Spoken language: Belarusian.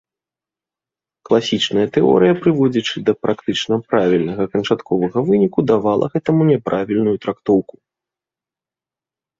Класічная тэорыя, прыводзячы да практычна правільнага канчатковага выніку, давала гэтаму няправільную трактоўку.